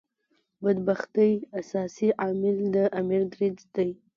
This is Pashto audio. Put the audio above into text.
بدبختۍ اساسي عامل د امیر دریځ دی.